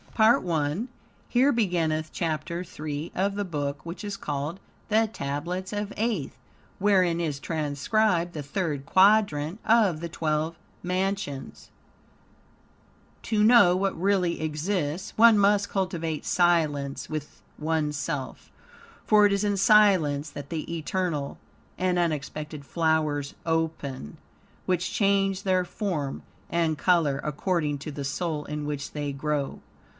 PART I Here beginneth Chapter 3 of the Book which is called "The Tablets of Aeth," wherein is transcribed the Third Quadrant of the Twelve Mansions. "To know what really exists, one must cultivate silence with ones self, for it is in silence that the eternal and unexpected flowers open, which change their form and color according to the soul in which they grow.